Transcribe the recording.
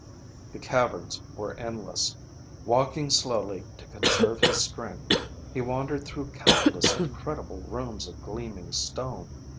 The caverns were endless. Walking slowly, to conserve his strength, he wandered through countless incredible rooms of gleaming stone.